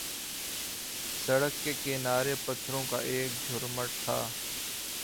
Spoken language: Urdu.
سڑک کے کنارے پتھروں کا ایک جھرمٹ تھا